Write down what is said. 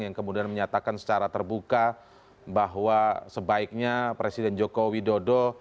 yang kemudian menyatakan secara terbuka bahwa sebaiknya presiden joko widodo